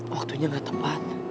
waktunya gak tepat